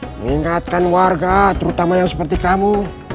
mengingatkan warga terutama yang seperti kamu